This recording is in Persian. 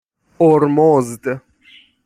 اُرمزد